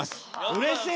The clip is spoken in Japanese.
うれしい！